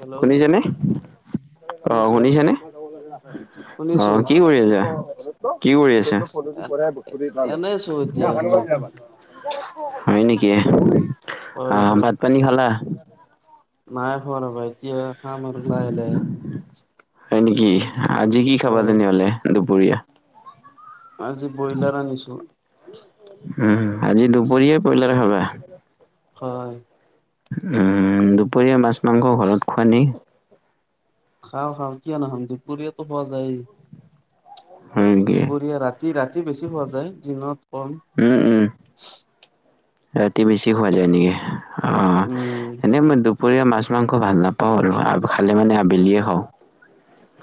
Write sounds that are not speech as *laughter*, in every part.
Hello শুনিছেনে অ' শুনিছো শুনিছানে? শুনিছো অ' কি কৰি আছা? কি কৰি আছে? এ এনে আছো এতিয়া অলপ *unintelligible* - হয় নেকি? হয় আহ' হয় ভাত পানী খালা? নাই খোৱা ৰ'বা এতিয়া খাম আৰু লাহে লাহে হয় নেকি আজি কি খাবা হয়। তেনেহলে দুপৰীয়া আজি ব্ৰইলাৰ আনিছোঁ। উম আজি দুপৰীয়া বইলা খাবা? হয় উম দুপৰীয়া মাছ-মাংস ঘৰত খোৱানে। খাওঁ খাওঁ কিয় নাখাম। দুপৰীয়াটো খোৱা যাইয়ে। হয় নেকি দুপৰীয়া, ৰাতি-ৰাতি বেছি খোৱা যায়, দিনত কম। উম' উম'। *inaudible* ৰাতি বেছি শুৱা যায় নেকি? উম অ' এনে মই দুপৰীয়া মাছ-মাংস ভাল নাপাওঁ আৰু খালে মানে আবেলিয়ে খাওঁ।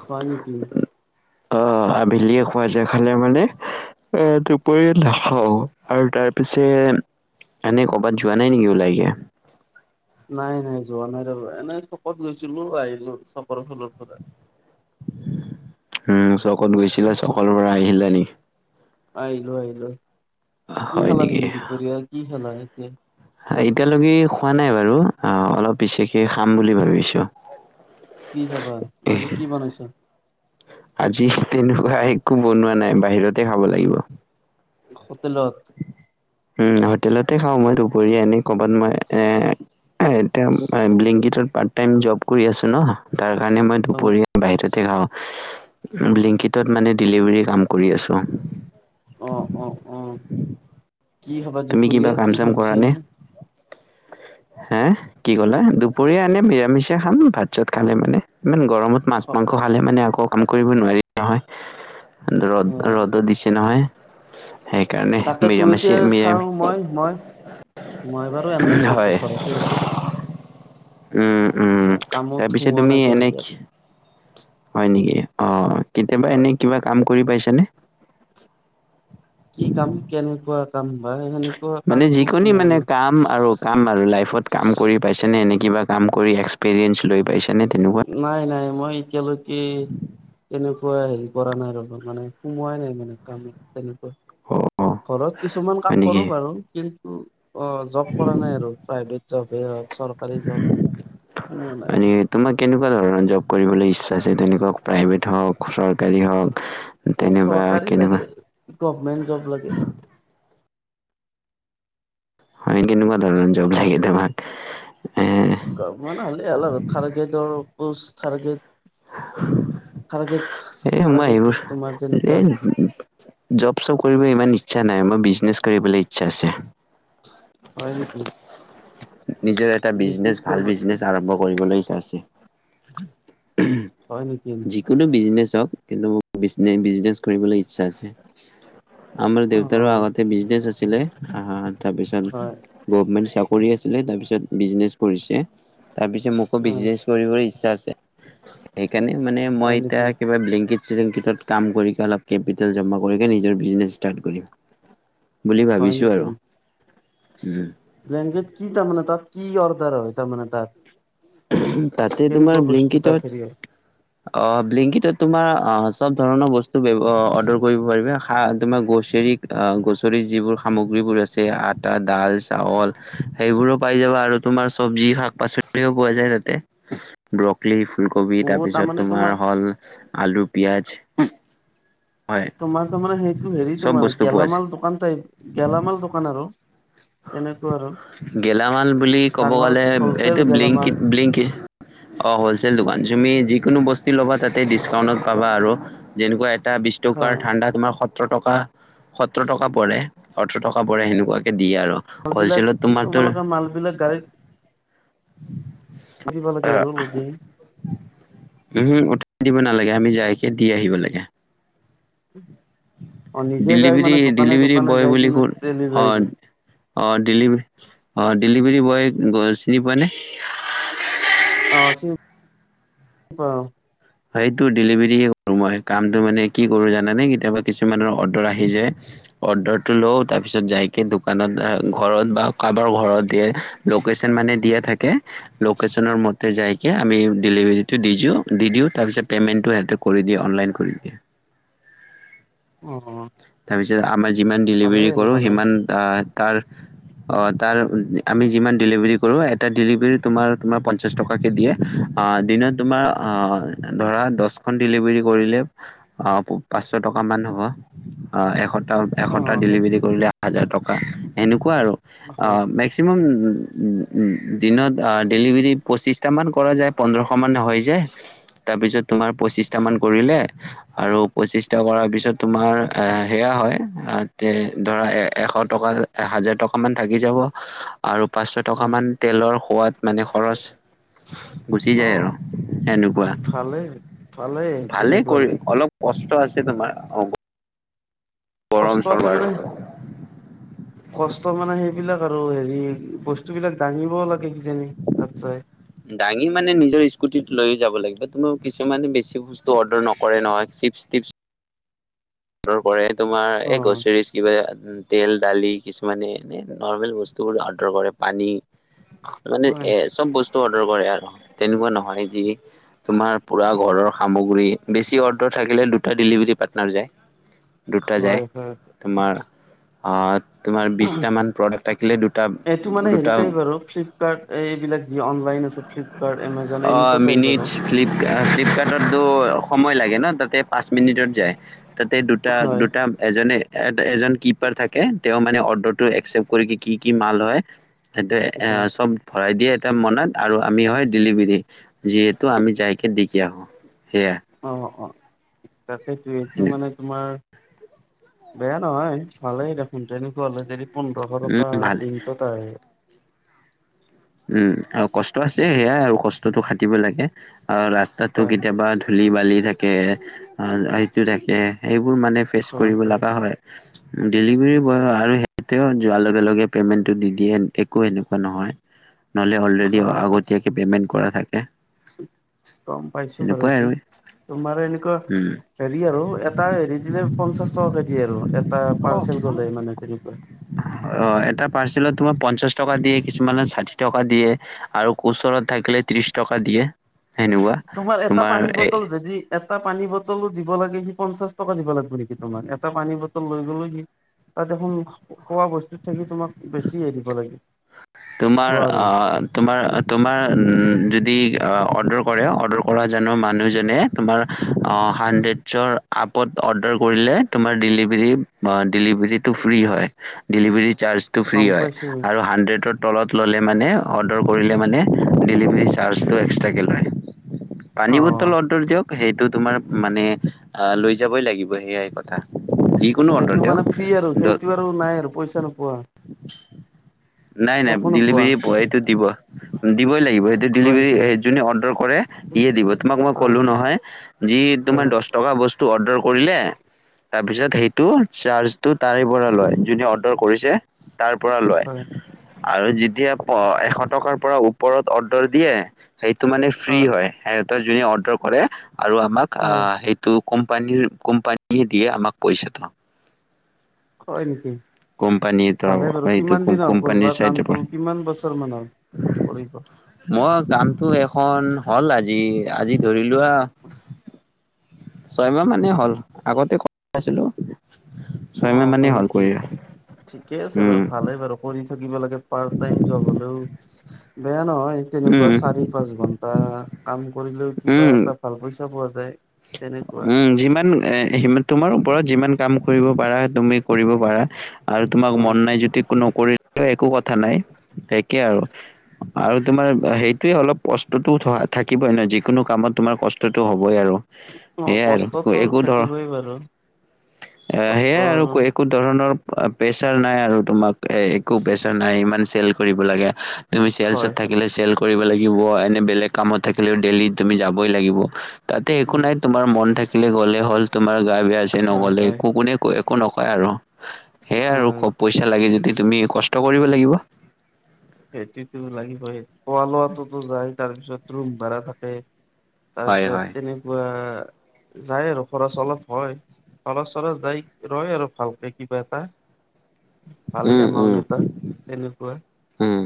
খোৱা নেকি? অ' আবেলিয়ে খোৱা যায় খালে মানে এ দুপৰিয়া নাখাওঁ আৰু তাৰ পিছে এনেই ক'ৰবাত যোৱা নাই নেকি ওলাইগে। নাই নাই যোৱা নাই ৰ'বা। এনেই চকত গৈছিলোঁ আহিলো চকৰ ফালৰ পৰা। উম চকত গৈছিলা। চকৰ পৰা আহিলা নেকি? আহিলোঁ আহিলোঁ আহিলোঁ। কি হয় খালা নেকি তুমি? দুপৰীয়া কি খালা এতে? আ এতিয়ালৈকে খোৱা নাই বাৰু, আ অলপ পিছেকে খাম বুলি ভাবিছোঁ। কি খাবা? আজি কি বনাইছা? আজি তেনেকুৱা একো বনোৱা নাই বাহিৰতে খাব লাগিব। হোটেলত? উম হোটেলতে খাওঁ মই দুপৰীয়া আনি ক'বাত মই এ এ এতিয়া বিলিংকিতত পাৰ্ট টাইম জব কৰি আছোঁ ন, তাৰ কাৰণে মই দুপৰীয়া বাহিৰতে খাওঁ। বিলিংকিতত মানে ডেলিভাৰী কাম কৰি আছোঁ। অ অ অ কি খাবা তুমি কিবা দুুপুৰীয়া কাম কি চাম কৰা ভাবিছা নে নাই? হে কি কলা? দুপৰীয়া আনে নিৰামিষিয় খাম ভাত চাত খালে মানে। ইমান গৰমত মাছ মাংস খালে মানে আকৌ কাম নোৱাৰি নহয়। ৰ'দ ৰ'দো দিছে নহয়। সেইকাৰণে তাকেতো এতিয়া নিৰামিষয়ে চাও নিৰামিষ মই মই মই বাৰু এনেই আছোঁ হয় এতিয়া ঘৰত। উম উম কামত তাৰপিছে সোমোৱা তুমি নাই এনে তেনেকে হয় নেকি অ কেতিয়াবা এনে কিবা কাম কৰি পাইছে নে? কি কাম কেনেকুৱা কাম বা সেইখিনি মানে যি কোনি মানে কাম আৰু কাম আৰু লাইফত কাম কৰি পাইছেনে, এনেই কিবা কাম কৰি এক্সপিৰিয়েঞ্চ লৈ পাইছানে তেনেকুৱা? নাই নাই, মই এতিয়ালৈকে তেনেকুৱা হেৰি কৰা নাই ৰ'বা মানে সোমোৱাই নাই মানে কামত, তেনেকুৱা। *unintelligible* হ ঘৰত কিছুমান কাম কৰোঁ বাৰু, কিন্তু অঁ জব কৰা নাই আৰু, প্ৰাইভেট জবেই হওঁক চৰকাৰী জব, সোমোৱা নাই। মানে তোমাক কেনেকুৱা ধৰণৰ জ'ব কৰিবলৈ ইচ্ছা আছে, তেনেকুৱা প্ৰাইভেট হওক, চৰকাৰী হওক, তেনেবা চৰকাৰী কেনেবা? লাগে গভমেন্ট জব লাগে মানে কেনেকুৱা ধৰণৰ জব হয় লাগে তোমাক? এ *unintelligible* সেইটো পোষ্ট থাৰ গেট *unintelligible* থাৰ্গেট এ সোমাই এইবোৰ, এই জব-চব কৰিবলৈ ইমান ইচ্ছা নাই। মই বিজনেছ কৰিবলৈ ইচ্ছা আছে। হয় নিকি? নিজৰ এটা বিজনেছ, ভাল বিজনেছ আৰম্ভ কৰিবলৈ ইচ্ছা আছে। হয় নিকি? কিন্তু বিজনেছ হওক, কিন্তু মোৰ বিজনে-বিজনেছ কৰিবলৈ ইচ্ছা আছে। আমাৰ অ দেউতাৰো আগতে বিজনেছ আছিলে। আহ হাঁ তাৰপিছত হয় গোভমেণ্ট চা কৰি আছিলে, তাৰপিছত বিজনেছ কৰিছে। তাৰপিছত মোকো অ বিজনেছ কৰিবৰ ইচ্ছা আছে, সেইকাৰণে মানে মই হয় এতিয়া নেকি কিবা ব্লিংকিট চিলিংকিটত কাম কৰি ক অলপ কেপিটেল জমা কৰি কিনে নিজৰ বিজনেছ ষ্টাৰ্ট কৰিম। বুলি হয় ভাবিছো আৰু। উম। ব্লিংকিট কি তাৰমানে তাত কি অৰ্ডাৰ হয়, তাৰমানে তাত? তাতে তোমাৰ কেনেকুৱা বস্তু তাত ব্লিংকিটত হেৰি হয় অ', ব্লিংকিটত তোমাৰ আঁ সব ধৰণৰ বস্তু ব্য অ অৰ্ডাৰ কৰিব পাৰিবা, শা- তোমাৰ গ্ৰ'চেৰী অ', গ্ৰ'চেৰী যিবোৰ সামগ্ৰীবোৰ আছে আটা, দাল, চাউল সেইবোৰো পাই যাবা আৰু তোমাৰ সবজি, শাক-পাচলিও পোৱা যায় তাতে। ব্ৰ'কলি, ফুলকবি অ তাৰপিছত তাৰমানে তোমাৰ হ'ল আলু, পিঁয়াজ। তোমাৰ তাৰমানে সেইটো হেৰিটো চব মানে বস্তু পোৱা যায়। গেলামাল দোকান টাইপ? গেলামাল দোকান আৰু, তেনেকুৱা আৰু। গেলামাল বুলি ক'ব ডাঙৰ গ'লে হলচেল সেটো ব্লিংকিট গেলামাল ব্লিংকি অ' হ'লচেল দোকান। তুমি যিকোনো বস্তু ল'বা তাতে ডিচকাউণ্টত পাবা আৰু। যেনেকুৱা এটা বিস কাৰ ঠাণ্ডা তোমাৰ সত্ৰ টকা সত্ৰ টকা পৰে, ওথ্ৰ টকা পৰে সেনেকুৱাকে দিয়ে আৰু মালবিলাক, হ'লচেলত তোমালোকে মালবিলাক গাড়ীত দিব লাগে আৰু লদি এআহ উহু, উঠাই দিব নালাগে। আমি যাইকে দি আহিব লাগে। অ নিজে যাই ডিলিভৰী মানে দোকানে ডিলিভৰী দোকানে বয় যাই বুলি কিনে শুন ডেলিভাৰী অঁ দিয়ে অ' ডেলিভ অঁ ডিলিভৰী বয় চিনি পোৱা নে? অঁ, চিনি পাওঁ। সেইটো ডেলিভাৰিয়ে কৰোঁ মই। কামটো মানে কি কৰোঁ জানা নে? কেতিয়াবা কিছুমানৰ অৰ্ডাৰ আহি যায় অৰ্ডাৰটো লওঁ, তাৰ পিছত যাইকে দোকানত আ ঘৰত বা কাম ঘৰত দিয়ে, লোকেশ্যন মানে দিয়া থাকে। লোকেশ্যনৰ মতে যাইকে আমি ডেলিভাৰীটো দি দিওঁ, দি দিওঁ। তাৰপিছত পে'মেণ্টটো সিহঁতে কৰি দিয়ে অনলাইন কৰি দিয়ে। অ' অ'। তাৰপিছত আমাৰ যিমান ডেলিভাৰী কৰো, মানে সিমান তাৰ অ' তাৰ আমি যিমান ডেলিভাৰী কৰো, এটা ডেলিভাৰী তোমাৰ তোমাৰ পঞ্চাছ টকাকে দিয়ে, আ দিনত তোমাৰ ধৰা দচ এখন ডেলিভাৰী কৰিলে, আ পাঁচশ টকামান হ'ব, এসপ্তাহ অ এশটা সেই ডেলিভাৰী কৰিলে হাজাৰ টকা, সেনেকুৱা আৰু অ হয় মেক্স মেক্সিমাম দিনত ডেলিভাৰী পঁচিছটামান কৰা যায়, পোন্ধৰশ মান হৈ যায়। তাৰপিছত তোমাৰ পঁচিশটা মান কৰিলে আৰু পঁচিছটা কৰাৰ পিছত তোমাৰ এ সেয়া হয় তে ধৰা এ এশ টকা এ হাজাৰ টকা মান থাকি যাব আৰু পাঁচশ টকা হয় মান তেলৰ সোৱাদ মানে খৰচ গুচি যায় আৰু, সেনেকুৱা। ভালে। ভালেই কৰি অলপ কষ্ট আছে তোমাৰ অঁ। কষ্ট আছে আৰু মানে *inaudible* কষ্ট মানে সেইবিলাক আৰু হেৰি বস্তুবিলাক দাঙিবও লাগে কিজানি তাৰপাই। দাঙি মানে নিজৰ স্কুটিত লৈয়ে যাব লাগিব, তোমাৰ কিছুমানে বেছি তু অৰ্ডাৰ নকৰে নহয়, চিপছ টিপছ তোমাৰ অ এই গছেৰিছ কিবা তেল, দালি কিছ মানে এ নৰ্মেল বস্তুবোৰ অৰ্ডাৰ কৰে, পানী মানে হয় এ চব বস্তু অৰ্ডাৰ কৰে, তেনেকুৱা নহয় যি তোমাৰ পুৰা ঘৰৰ সামগ্ৰী, বেছি অৰ্ডাৰ থাকিলে দুটা ডেলিভাৰী পাৰ্টনাৰ যায়। দুটা যায়, হয় হয় তোমাৰ অঁ। তোমাৰ বিছটামান প্ৰডাক্ট থাকিলে, দুটা এইটো মানে হেৰি দুটা টাইপ আৰু ফ্লিপকাৰ্ট এইবিলাক যি অনলাইন আছে ফ্লিপকাৰ্ট, এমাজন অ এনেকুৱা টাইপ মিনিটছ আৰু। ফ্লিপ ফ্লিপকাৰ্টতো সময় লাগে ন, তাতে পাঁচ মিনিটত যায় তাতে দু দুটা হয় দুটা এজনে এজন কিপাৰ থাকে, তেওঁ মানে অৰ্ডাৰটো একচেপট কৰি কি কি মাল হয়। সেইটো অ', এ চব ভৰাই দিয়ে এটা মনাত আৰু আমি হয় ডেলিভাৰী, যিহেতু আমি যাইকে দিকে আহো, সেয়া। অঁ অঁ অঁ, তাকেইটো সেইটো সেনেকুৱা। মানে তোমাৰ বেয়া নহয়, ভালেই দেখোন তেনেকুৱা হ'লে যদি পোন্ধৰশ টকা উম ভালে দিনটোত আহে। উম' আৰু কষ্ট আছে সেয়াই আৰু কষ্টতটো খাটিব লাগে, আৰু ৰাস্তাটো হয়। কেতিয়াবা ধূলি বালি থাকে, সেইটো থাকে সেইবোৰ মানে ফেচ কৰিব লগা হয়। ডেলিভাৰী বয় আৰু সেই যোৱাৰ লগে লগে পেমেণ্টটো দি দিয়ে একো এনেকুৱা নহয়। নহলে অলৰেডি হয়, হয়, আগতীয়াকে পেমেন্ট কৰা থাকে। গম পাইছোঁ বাৰু সেনেকুৱাই আৰু এতিয়া, তোমাৰ এনকা উম। হেৰি আৰু এটা হেৰি দিলে পঞ্চাছ টকাকৈ দিয়ে আৰু, এটা পাৰ্চেল গ'লে মানে তেনেকুৱা। অ', এটা পাৰ্চেলত তোমাৰ পঞ্চাশ টকা দিয়ে কিছ মানে ষাঠি টকা দিয়ে আৰু ওচৰত থাকিলে ত্ৰিশ টকা দিয়ে। সেনেকুৱা এটা পানী তোমাৰ এ বটল যদি এটা পানী বটলো দিব লাগে, সি পঞ্চাশ টকা দিব লাগিব নেকি তোমাক এটা পানী বটল লৈ গ'লো সি তা দেখো খোৱা বস্তুত থাকি তোমাক বেছিহে দিব লাগে। তোমাৰ যোৱাৰ অহ তোমাৰ, তোমাৰ যদি অৰ্ডাৰ কৰে, অৰ্ডাৰ কৰা জানো মানুহজনে তোমাৰ অ', হানড্ৰেডছৰ আপত অৰ্ডাৰ কৰিলে, তোমাৰ ডেলিভাৰী বা ডেলিভাৰীটো ফ্ৰী হয়, ডিলিভিৰি চাৰ্জ টো ফ্ৰী গম হয় পাইছো আৰু হানড্ৰেতৰ তলত ল'লে মানে অৰ্ডাৰ কৰিলে মানে ডিলিভ ভি চাৰ্জটো এক্সট্ৰাকে লয়, পানী অ'। বটল অৰ্ডাৰ দিয়ক সেইটো তোমাৰ মানে অহ, লৈ যাবই লাগিব, সেয়াই কথা, যি সেইটো মানে ফ্ৰী আৰু সেইটো আৰু নাই আৰু পইচা নোপোৱা। নাই, নাই একো নোপোৱা ডেলিভাৰী বয়টো দিব, দিবই লাগিব। হয় নেকি ডিলিভাৰি যোনে অৰ্ডাৰ কৰে সিয়ে দিব, তোমাক মই হয় ক'লো নহয় যিয়ে তোমাৰ হয় দশ টকা বস্তু অৰ্ডাৰ কৰিলে। তাৰপিছত সেইটো চাৰ্জটো তাৰে পৰা লয় যোনে অৰ্ডাৰ কৰিছে। তাৰ পৰা হয় লয়। আৰু যেতিয়া প-এশ টকাৰ পৰা ওপৰত অৰ্ডাৰ দিয়ে। সেইটো মানে ফ্ৰী হয় সিহঁতক যোনে অৰ্ডাৰ কৰে আৰু আমাক হয় অ', সে টো কোম্পানীৰ কোম্পানী দিয়ে আমাক পইচাটো। হয় নেক, কোম্পানীৰ তৰফ ভালে বাৰু সেইটো কিমান দিন হ'ল কোম্পানীৰ কৰবা চাইডৰ পৰা কামটো? কিমান বছৰ মান হ'ল? কৰিব। মই কামটো এখন হ'ল আজি আজি ধৰি লোৱা। ছয়মাহ মানেই হ'ল আগতে *unintelligible* আছিলোঁ। অ', হয় নেকি, ঠিকে আছে বাৰু, উম ভালেই বাৰু। কৰি থাকিব লাগে, পাৰ্ট টাইম জব হ'লেও বেয়া নহয় তেনেকুৱা উম চাৰি পাঁচ ঘন্টা কাম কৰিলেও কিবা উম এটা ভাল পইচা পোৱা যায়। তেনেকুৱা উম, যিমান এ সি তোমাৰ ওপৰত যিমান কাম কৰিব পাৰা তুমি কৰিব পাৰা আৰু তোমাক হয় মন নাই যদি নকৰি লে একো কথা নাই একে আৰু। আৰু তোমাৰ সেইটোৱে অলপ কষ্টতো থাকিবই ন, যিকোনো কামত তোমাৰ কষ্টতটো হ'বই আৰু। অ সেইয়াই আৰু কষ্টতো একো ধৰ থাকিবই বাৰু এ সেয়াই আৰু ক' এক কো ধৰণৰ প্ৰেচাৰ নাই আৰু তোমাক এ একো প্ৰেচাৰ নাই ইমান চেল কৰিব লাগে। তুমি হয় চেলছত হয় থাকিলে চেল কৰিব লাগিব এনে বেলেগ কামত থাকিলেও ডেইলিত তুমি যাবই লাগিব, তাত তে একো উম নাই তোমাৰ মন থাকিলে গ'লে হ'ল, তোমাৰ গা বেয়া হৈছে হয় নগ'লে হয় একো কোনে একো নকয় আৰু। সেয়াই আৰু হয় ক' পইচা লাগে যদি তুমি কষ্ট কৰিব লাগিব। সেইটোতো লাগিবই, খোৱা লোৱাটোতো যায়, তাৰপিছত ৰুম ভাড়া থাকে। হয় তাৰপিছত হয় তেনেকুৱা যায় আৰু খৰচ অলপ হয়, খৰচ চৰচ যায় ৰয় আৰু ভালকে কিবা এটা। ভাল উম উম এমাউন্ট এটা তেনেকুৱা। উম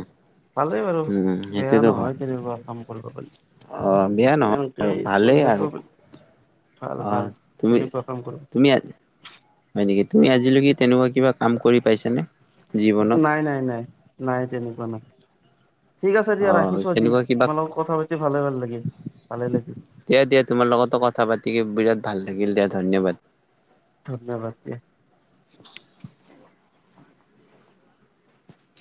ভালেই বাৰু, উম বেয়া সেইটোতো হয় নহয়, তেনেকুৱা কাম কৰিব পাৰি। অ', বেয়া নহয় এনেকে আৰু চলি ভালেই থাকিব আৰু। পাৰি ভাল অ', ভাল তুমি তেনেকুৱা কাম কৰিব তুমি আজি হয় নেকি! তুমি আজিলৈকে তেনেকুৱা কিবা কাম কৰি পাইছানে? জীৱনত নাই, নাই, নাই, নাই, তেনেকুৱা নাই। ঠিক আছে। অ দিয়া ৰাখিছো আজি, তেনেকুৱা কিবা তোমাৰ লগত কথা পাতি ভালে ভাল লাগিল ভালে লাগিল। দিয়া, দিয়া তোমাৰ লগতো কথা পাতি বিৰাট ভাল লাগিল দিয়া। ধন্যবাদ। ধন্যবাদ দিয়া।